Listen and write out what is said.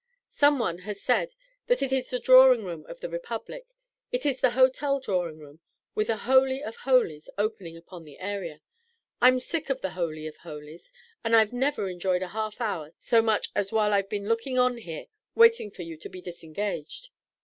"Some one has said that it is the drawing room of the Republic. It is the hotel drawing room with a Holy of Holies opening upon the area. I'm sick of the Holy of Holies, and I 've never enjoyed a half hour so much as while I've been looking on here waiting for you to be disengaged."